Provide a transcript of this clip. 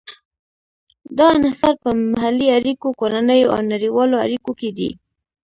دا انحصار په محلي اړیکو، کورنیو او نړیوالو اړیکو کې دی.